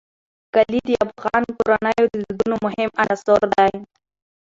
کلي د افغان کورنیو د دودونو مهم عنصر دی.